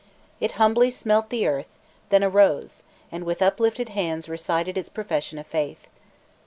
It humbly "smelt the earth," then arose, and with uplifted hands recited its profession of faith.